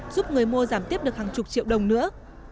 giúp người mua giảm tiếp được hàng chục triệu đồng nữa